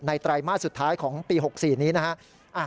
ไตรมาสสุดท้ายของปี๖๔นี้นะฮะ